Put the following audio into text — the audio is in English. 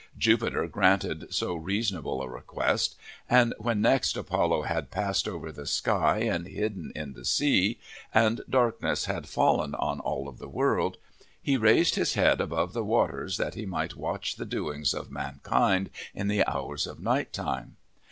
Jupiter granted so reasonable a request, and when next Apollo had passed over the sky and hidden in the sea, and darkness had fallen on all the world, he raised his head above the waters that he might watch the doings of mankind in the hours of night time.